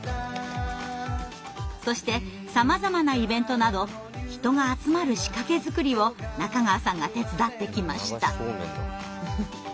そしてさまざまなイベントなど人が集まる仕掛け作りを中川さんが手伝ってきました。